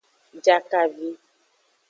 Jakavi.